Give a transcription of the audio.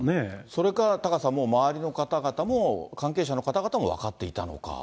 それか、タカさん、もう周りの方々も、関係者の方々も分かっていたのか。